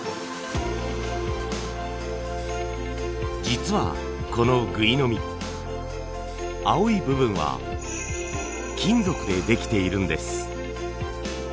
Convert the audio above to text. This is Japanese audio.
実はこのぐい飲み青い部分は金属でできているんです。